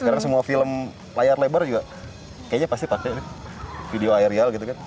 karena semua film layar lebar juga kayaknya pasti pakai video aerial gitu kan